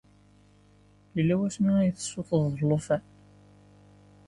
Yella wasmi ay tessuṭṭḍeḍ alufan?